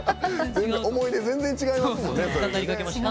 思い出全然、違いますね。